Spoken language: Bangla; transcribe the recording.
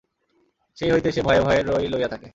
সেই হইতে সে ভয়ে ভয়ে রই লইয়া থাকে।